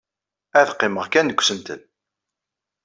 Ad qqimeɣ kan deg usentel.